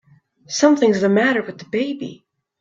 Something's the matter with the baby!